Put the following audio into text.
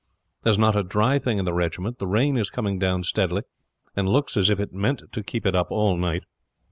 There is not a dry thing in the regiment; the rain is coming down steadily and looks as if it meant to keep it up all night.